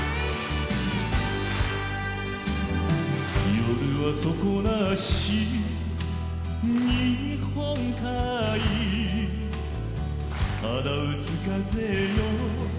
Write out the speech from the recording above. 夜は底なし日本海肌打つ風よ